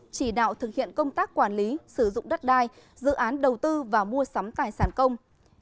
chỉ đạo thực hiện công tác quản lý sử dụng đất đai dự án đầu tư và mua sắm tài sản công